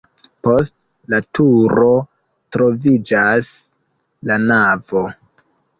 Post la turo troviĝas la navo.